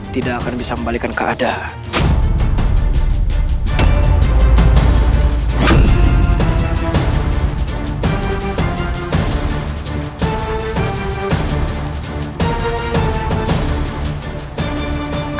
tidak akan bisa membalikan keadaan